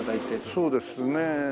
そうですね。